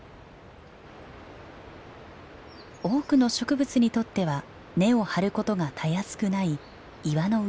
多くの植物にとっては根を張ることがたやすくない岩の上。